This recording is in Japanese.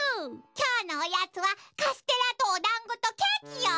きょうのおやつはカステラとおだんごとケーキよ。